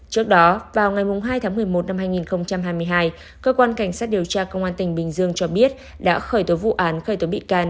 trước đó vào ngày hai tháng một mươi một năm hai nghìn hai mươi hai cơ quan cảnh sát điều tra công an tỉnh bình dương cho biết đã khởi tố vụ án khởi tố bị can